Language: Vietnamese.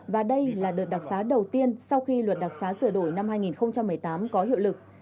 và đây là đợt đặc xá đầu tiên sau khi luật đặc xá sửa đổi năm hai nghìn một mươi tám có hiệu lực